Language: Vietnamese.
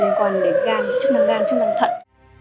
liên quan đến gan chức năng gan chức năng thận